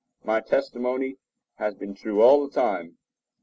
My testimony has been true all the time.